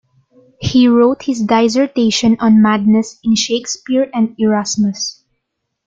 He wrote his dissertation on madness in Shakespeare and Erasmus.